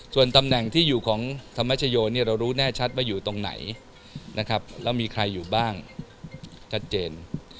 ส่วนตำแหน่งที่อยู่ของธรรมชโยเนี่ยเรารู้แน่ชัดว่าอยู่ตรงไหนนะครับแล้วมีใครอยู่บ้างชัดเจน